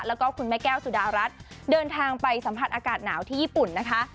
แล้วก็คุณแม่แก้วสุดารัฐเดินทางไปสัมผัสอากาศหนาวที่ญี่ปุ่นนะคะ